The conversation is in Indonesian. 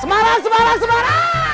semarang semarang semarang